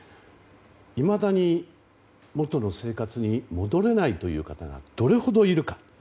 いまだに元の生活に戻れないという方がどれほどいるか。